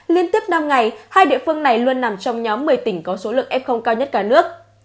liên tiếp năm ngày hai địa phương này luôn nằm trong nhóm một mươi tỉnh có số lượng f cao nhất cả nước